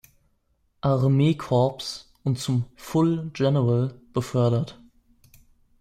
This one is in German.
Armeekorps und zum "Full General" befördert.